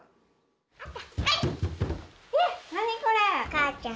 母ちゃん。